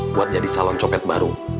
buat jadi calon coket baru